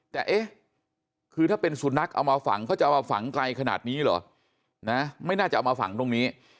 แต่เอ๊ะคือถ้าเป็นสุนัขเอามาฝังเขาจะเอามาฝังไกลขนาดนี้เหรอนะไม่น่าจะเอามาฝังตรงนี้